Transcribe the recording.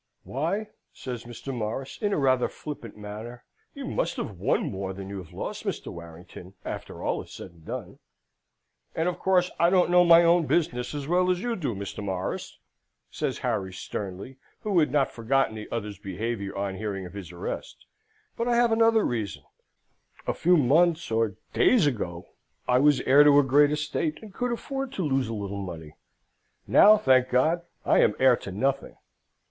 "Why," says Mr. Morris, in a rather flippant manner, "you must have won more than you have lost, Mr. Warrington, after all is said and done." "And of course I don't know my own business as well as you do, Mr. Morris," says Harry sternly, who had not forgotten the other's behaviour on hearing of his arrest; "but I have another reason. A few months or days ago, I was heir to a great estate, and could afford to lose a little money. Now, thank God, I am heir to nothing."